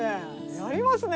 やりますね